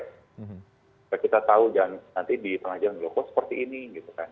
supaya kita tahu nanti di pengajaran blog kok seperti ini gitu kan